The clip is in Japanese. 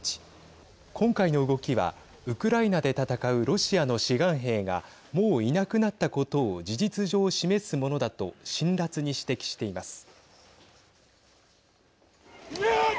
今回の動きは、ウクライナで戦うロシアの志願兵がもういなくなったことを事実上、示すものだと辛辣に指摘しています。